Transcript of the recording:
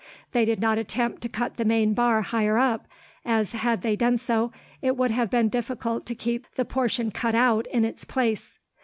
They did not attempt to cut the main bar higher up, as, had they done so, it would have been difficult to keep the portion cut out in its place.